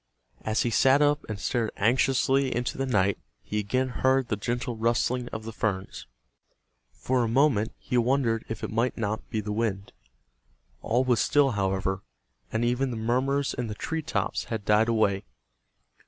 As he sat up and stared anxiously into the night he again heard the gentle rustling of the ferns. For a moment he wondered if it might not be the wind. All was still, however, and even the murmurs in the tree tops had died away.